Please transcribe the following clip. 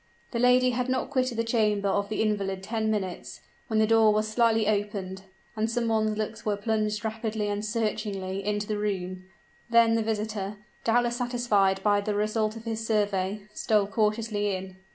The lady had not quitted the chamber of the invalid ten minutes, when the door was slightly opened; and some one's looks were plunged rapidly and searchingly into the room: then the visitor, doubtless satisfied by the result of his survey, stole cautiously in.